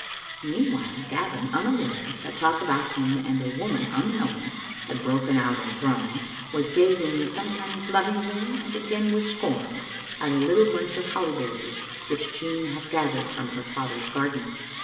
" Meanwhile, Gavin, unaware that talk about him and a woman unknown had broken out in Thrums, was gaz ing, sometimes lovingly and again with scorn, at a lit tle bunch of holly berries which Jean had gathered from her father's garden.